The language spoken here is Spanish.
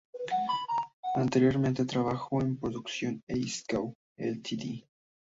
Anteriormente trabajó en "Production Ace Co., Ltd.